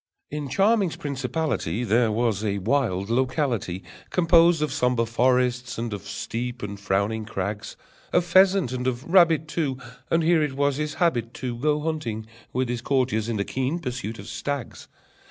In Charming's principality There was a wild locality, Composed of sombre forest, and of steep and frowning crags, Of pheasant and of rabbit, too; And here it was his habit to Go hunting with his courtiers in the keen pursuit of stags.